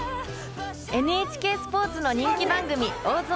ＮＨＫスポーツの人気番組大相撲中継。